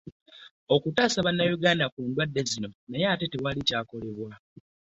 Okutaasa Bannayuganda ku ndwadde zino naye ate tewali kyakolebwa.